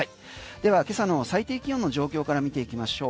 では今朝の最低気温の状況から見ていきましょう。